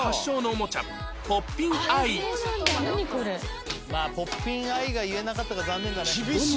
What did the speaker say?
「まあポッピンアイが言えなかったから残念だね」